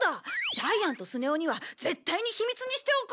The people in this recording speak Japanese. ジャイアンとスネ夫には絶対に秘密にしておこう！